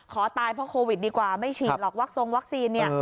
ขอตายเพราะโควิดดีกว่าไม่ฉีดหรอกวักทรงวัคซีนเนี่ย